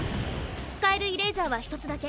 使えるイレイザーは１つだけ。